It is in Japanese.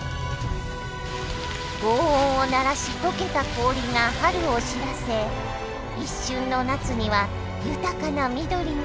ごう音を鳴らし解けた氷が春を知らせ一瞬の夏には豊かな緑が。